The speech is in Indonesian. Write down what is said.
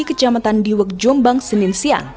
kecamatan diwek jombang senin siang